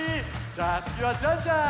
じゃあつぎはジャンジャン！